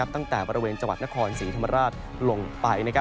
ตั้งแต่บริเวณจังหวัดนครศรีธรรมราชลงไป